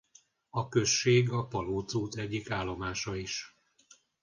A község a Palóc út egyik állomása is.